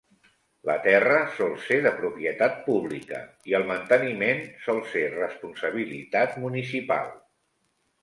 La terra sol ser de propietat pública, i el manteniment sol ser responsabilitat municipal.